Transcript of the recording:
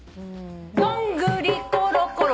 「どんぐりころころ」